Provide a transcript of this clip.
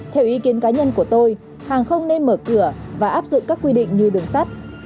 theo ý kiến cá nhân của tôi hàng không nên mở cửa và áp dụng các quy định như đường sắt